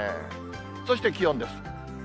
そして気温です。